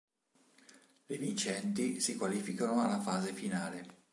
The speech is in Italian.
Le vincenti si qualificano alla fase finale.